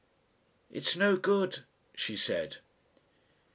"It's no good," she said.